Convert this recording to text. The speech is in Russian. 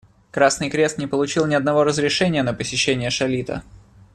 Красный Крест не получил ни одного разрешения на посещение Шалита.